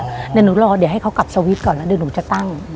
เดี๋ยวหนูรอเดี๋ยวให้เขากลับสวิตช์ก่อนแล้วเดี๋ยวหนูจะตั้ง